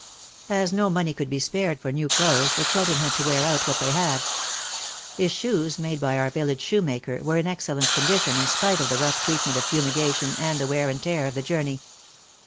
As no money could be spared for new clothes the children had to wear out what they had. His shoes, made by our village shoemaker, were in excellent condition in spite of the rough treatment of fumigation and the wear and tear of the journey.